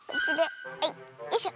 よいしょ。